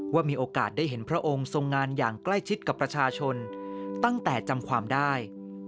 ว่ามีโอกาสได้เห็นพระองค์ทรงงานอย่างใกล้ชิดกับประชาชนตั้งแต่จำความได้